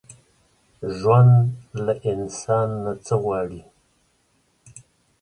ژوند له انسان نه څه غواړي؟